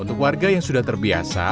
untuk warga yang sudah terbiasa